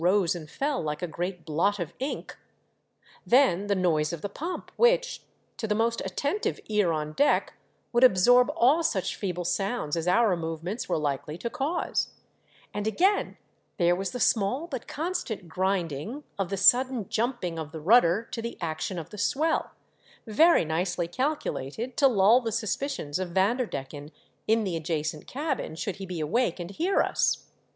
rose and fell like a great blot of ink ; then the noise of the pump, which, to the most attentive ear on deck, would absorb all such feeble sounds as our movements were likely to cause ; and again, there was the small but constant grinding of the sudden jumping of the rudder to the action of the swell, very nicely calculated to lull the suspicions of Vanderdecken in the adjacent cabin should he be awake and hear us.